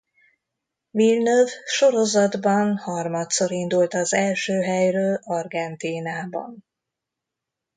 Villeneuve sorozatban harmadszor indult az első helyről Argentínában.